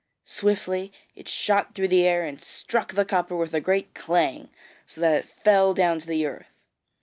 Swiftly it shot through the air and struck the copper with a great clang, so that it fell down to the earth.